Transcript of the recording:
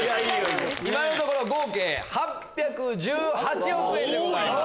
今のところ合計８１８億円でございます。